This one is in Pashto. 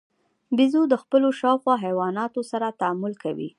بیزو د خپلو شاوخوا حیواناتو سره تعامل کوي.